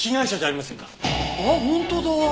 あっ本当だ！